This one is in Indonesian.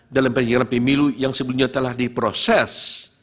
dalam penyelenggaraan pemilu yang sebelumnya telah diproses